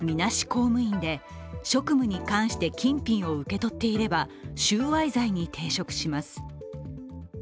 公務員で職務に関して金品を受け取っていれば収賄罪に抵触します。